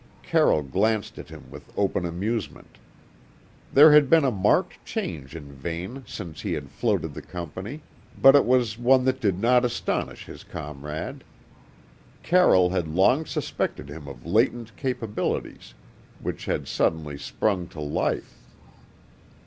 Carroll glanced at him with open amusement. There had been a marked change in Vane since he had floated the company, but it was one that did not astonish his comrade. Carroll had long suspected him of latent capabilities, which had suddenly sprung to life.